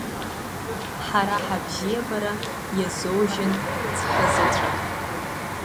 Ҳара ҳабзиабара иазоужьын ҵхы заҵәык.